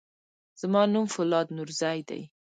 زما نوم فولاد نورزی دی.